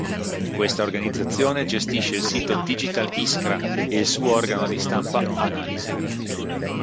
Questa organizzazione gestisce il sito "Digital Iskra" e il suo organo di stampa "Analisi".